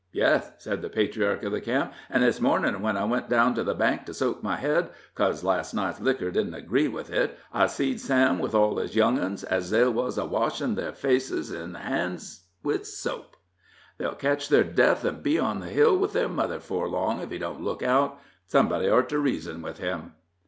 "Yes," said the patriarch of the camp, "an' this mornin', when I went down to the bank to soak my head, 'cos last night's liquor didn't agree with it, I seed Sam with all his young 'uns as they wuz a washin' their face an' hands with soap. They'll ketch their death an' be on the hill with their mother 'fore long, if he don't look out; somebody ort to reason with him."